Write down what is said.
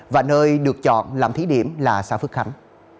và nơi được chọn làm thí điểm là xã phước khánh